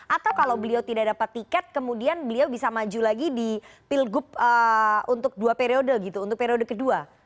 atau kalau beliau tidak dapat tiket kemudian beliau bisa maju lagi di pilgub untuk dua periode gitu untuk periode kedua